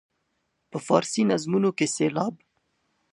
په فارسي نظمونو کې سېلاب.